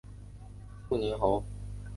父宁阳侯陈懋。